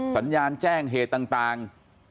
สัญญาณแจ้งเหตุต่าง